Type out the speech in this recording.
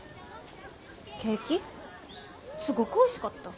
ケーキすごくおいしかった。